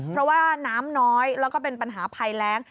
เพราะว่าน้ำน้อยแล้วก็เป็นปัญหาภัยแรง